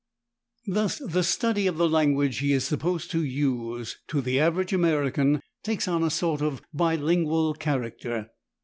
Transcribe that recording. Thus the study of the language he is [Pg004] supposed to use, to the average American, takes on a sort of bilingual character.